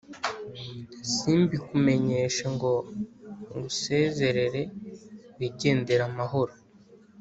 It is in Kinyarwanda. simbikumenyeshe ngo ngusezerere wigendere amahoro